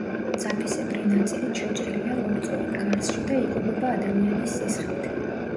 ძაფისებრი ნაწილით შეჭრილია ლორწოვან გარსში და იკვებება ადამიანის სისხლით.